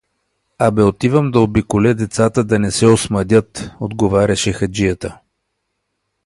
— А бе отивам да обиколя децата, да се не осмъдят… — отговаряше хаджията.